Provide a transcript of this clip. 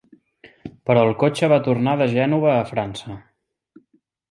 Però el cotxe va tornar de Gènova a França!